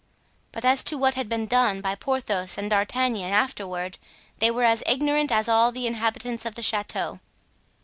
But as to what had been done by Porthos and D'Artagnan afterward they were as ignorant as all the inhabitants of the chateau.